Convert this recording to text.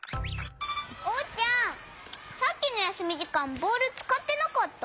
おうちゃんさっきのやすみじかんボールつかってなかった？